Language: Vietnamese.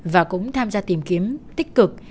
và cũng tham gia tìm kiếm tích cực